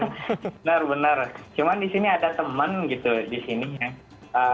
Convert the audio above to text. benar benar cuma di sini ada teman gitu di sini ya